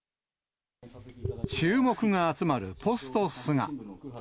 注目が集まるポスト菅。